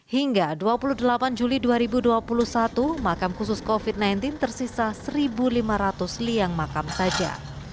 hingga dua puluh delapan juli dua ribu dua puluh satu makam khusus covid sembilan belas tersisa satu lima ratus liang makam saja